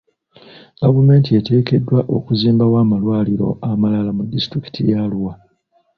Gavumenti eteekeddwa okuzimbawo amalwaliro amalala mu disitulikiti ya Arua.